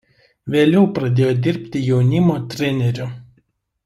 Vėliau pradėjo dirbti jaunimo treneriu.